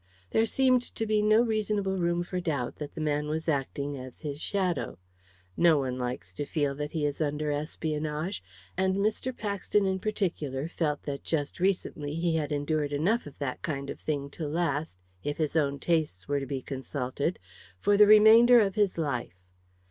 There seemed to be no reasonable room for doubt that the man was acting as his shadow. No one likes to feel that he is under espionage. And Mr. Paxton in particular felt that just recently he had endured enough of that kind of thing to last if his own tastes were to be consulted for the remainder of his life.